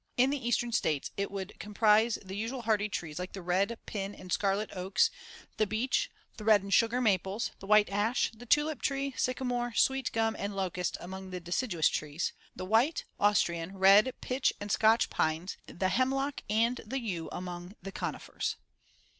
In the Eastern States it would comprise the usual hardy trees like the red, pin and scarlet oaks, the beech, the red and sugar maples, the white ash, the tulip tree, sycamore, sweet gum and locust among the deciduous trees; the white, Austrian, red, pitch and Scotch pines, the hemlock and the yew among the conifers.